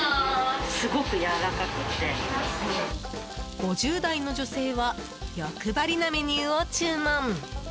５０代の女性は欲張りなメニューを注文！